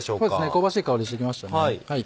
香ばしい香りしてきましたね。